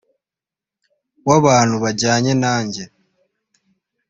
w abantu bajyanye nanjye